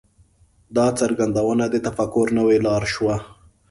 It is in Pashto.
دا څرګندونه د تفکر نوې لاره شوه.